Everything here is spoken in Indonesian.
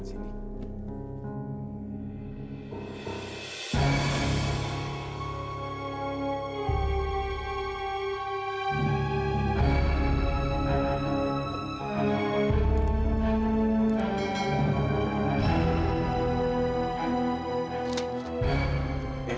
terus kenapa nih